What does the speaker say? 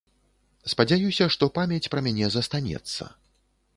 Спадзяюся, што памяць пра мяне застанецца.